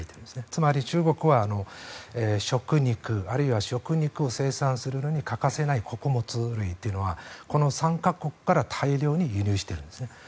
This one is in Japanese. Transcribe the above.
つまり中国は食肉あるいは食肉を生産するのに欠かせない穀物類というのはこの３か国から大量に輸入しているんですね。